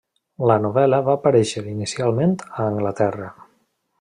La novel·la va aparéixer inicialment a Anglaterra.